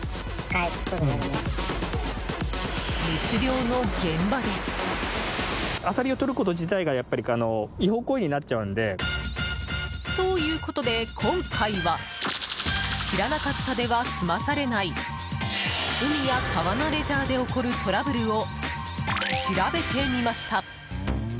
密漁の現場です。ということで今回は知らなかったでは済まされない海や川のレジャーで起こるトラブルを調べてみました。